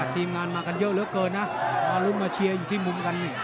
ทีมงานมากันเยอะเหลือเกินนะมาลุ้นมาเชียร์อยู่ที่มุมกัน